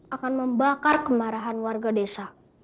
akan membakar kemarahan warga desa